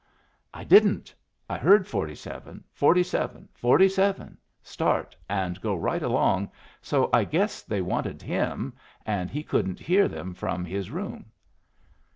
"I didn't. I heard forty seven, forty seven, forty seven, start and go right along, so I guessed they wanted him, and he couldn't hear them from his room."